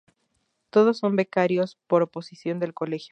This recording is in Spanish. Todos son becarios por oposición del Colegio.